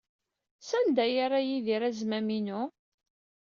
Sanda ay yerra Yidir azmam-inu?